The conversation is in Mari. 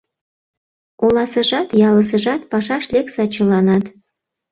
Оласыжат, ялысыжат Пашаш лекса чыланат!